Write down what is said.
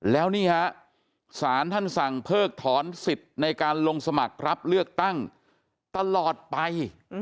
แล้วนี่ฮะศาลท่านสั่งเพิกถอนสิทธิ์ในการลงสมัครรับเลือกตั้งตลอดไป